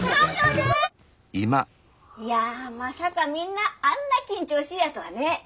いやまさかみんなあんな緊張しいやとはね。